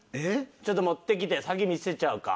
ちょっと持って来て。先見せちゃうか。